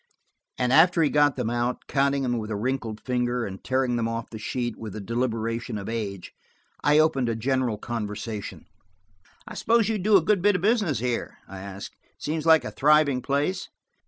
And after he had got them out, counting them with a wrinkled finger, and tearing them off the sheet with the deliberation of age, I opened a general conversation. "I suppose you do a good bit of business here?" I asked. "It seems like a thriving place."